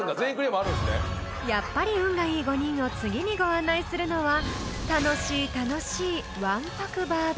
［やっぱり運がいい５人を次にご案内するのは楽しい楽しい］